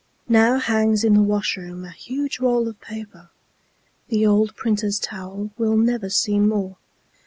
Now hangs in the washroom a huge roll of paper The old printer's towel we'll never see more.